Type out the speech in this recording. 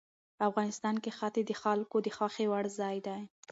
افغانستان کې ښتې د خلکو د خوښې وړ ځای دی.